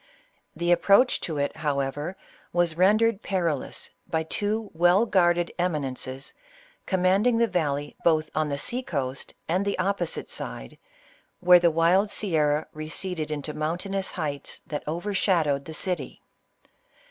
The approach to it, however, was rendered perilous by two well guarded eminences, commanding the valley both on the sea coast and the opposite side, where the wild sierra receded into mountainous heights that overshad owed the city.